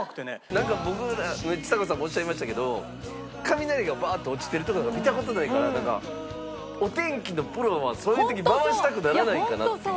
なんか僕ちさ子さんもおっしゃいましたけど雷がバーッて落ちてるとこなんか見た事ないからお天気のプロはそういう時回したくならないんかなっていう。